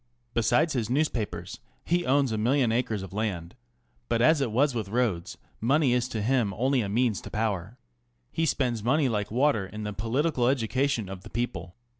Besides his newspapers he owns a million acres of land But as it was with Rhodes, money is to him only a means to power. He spends money like water in the political education of the people.